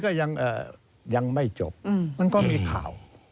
ขณะนี้ก็ยังไม่จบมันก็มีข่าว